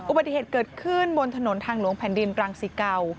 อุบัติเหตุเกิดขึ้นบนถนนทางหลวงแผ่นดินรังสิเก่า